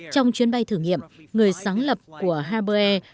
trong chuyến bay thử nghiệm người sáng lập của haber air